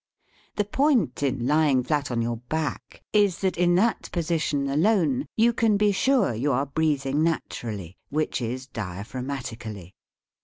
^ The point in lying flat on your back is that in that position alone you can be sure you are breathing nat urally, which is diaphragmatically.